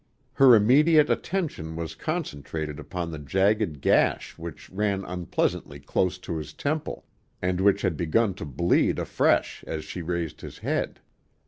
Her immediate attention was concentrated upon the jagged gash which ran unpleasantly close to his temple, and which had begun to bleed afresh as she raised his head.